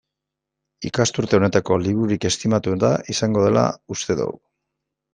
Ikasturte honetako libururik estimatuena izango dela uste dugu.